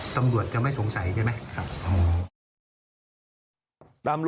อยู่อุดรฐานีนะแต่คิดว่าเพราะยาบ้า